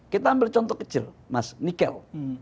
kita ambil contoh kecil mas nikel